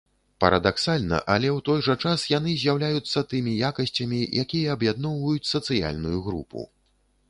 Парадаксальна, але ў той жа час яны з'яўляюцца тымі якасцямі, якія аб'ядноўваюць сацыяльную групу.